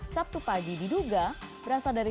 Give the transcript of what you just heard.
sabtu pagi diduga berasal dari